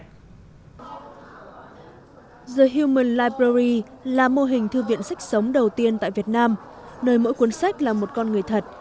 the human library là mô hình thư viện sách sống đầu tiên tại việt nam nơi mỗi cuốn sách là một con người thật